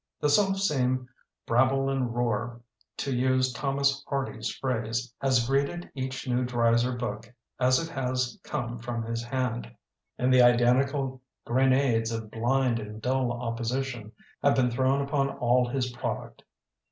The selfsame "brabble and roar", to use Thomas Hardy's phrase, has greet ed each new Dreiser book as it has come from his hand, and the identical grenades of blind and dull opposition have been thrown upon all his product.